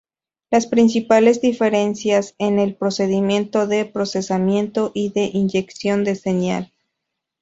Las principales diferencias en el procedimiento de procesamiento y de inyección de señal.